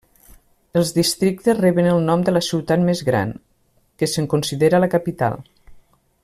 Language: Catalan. Els districtes reben el nom de la ciutat més gran, que se'n considera la capital.